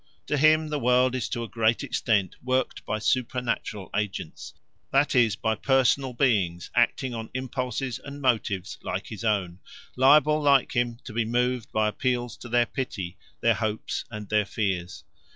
To him the world is to a great extent worked by supernatural agents, that is, by personal beings acting on impulses and motives like his own, liable like him to be moved by appeals to their pity, their hopes, and their fears.